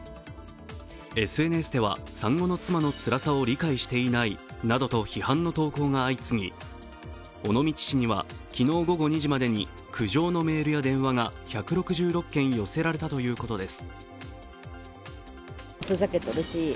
ＳＮＳでは、産後の妻のつらさを理解していないなどと批判の投稿が相次ぎ、尾道市には昨日午後２時までに苦情のメールや電話が１６６件寄せられたということです。